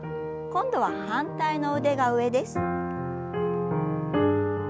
今度は反対の腕が上です。